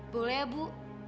boleh ya bu